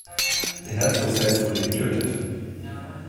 Der Herzog selbst wurde getötet.